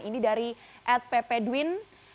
ini dari ed pepe dwin